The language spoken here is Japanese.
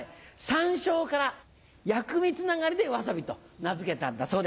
山椒から薬味つながりでわさびと名付けたんだそうです。